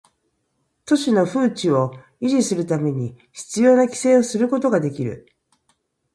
都市の風致を維持するため必要な規制をすることができる